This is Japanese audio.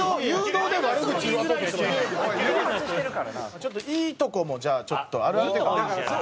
ちょっといいとこもじゃあちょっとあるんで。